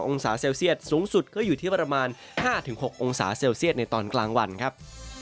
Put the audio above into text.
องศาเซลเซียตสูงสุดก็อยู่ที่ประมาณ๕๖องศาเซลเซียตในตอนกลางวันครับ